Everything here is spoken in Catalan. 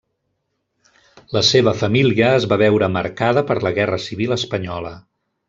La seva família es va veure marcada per la guerra civil espanyola.